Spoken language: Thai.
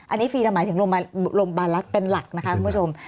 อันนี้ฟรีหมายถึงโรงพยาบาลรัฐเป็นหลักนะคะคุณผู้ชม